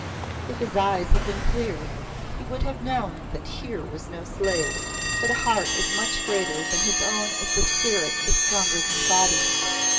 If his eyes had been clear, he would have known that here was no slave, but a heart as much greater than his own as the spirit is stronger than the body.